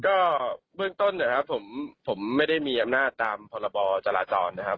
ก็เบื้องต้นนะครับผมไม่ได้มีอำนาจตามพรบจราจรนะครับ